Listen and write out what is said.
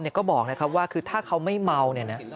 รู้จับว่าถ้าเขาไม่เมา